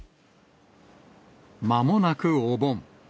まもなくお盆。